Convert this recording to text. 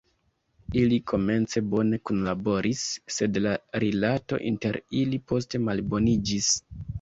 Ili komence bone kunlaboris, sed la rilato inter ili poste malboniĝis.